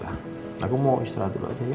aku mau istirahat dulu aja